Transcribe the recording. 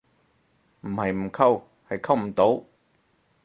唔係唔溝，係溝唔到